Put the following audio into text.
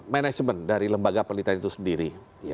manajemen dari lembaga penelitian itu sendiri